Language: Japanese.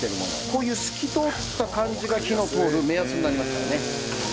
こういう透き通った感じが火の通る目安になりますからね。